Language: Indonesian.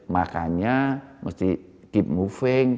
makanya mesti keep moving